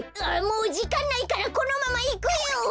あもうじかんないからこのままいくよ！